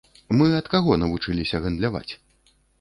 Мы ад каго навучыліся гандляваць?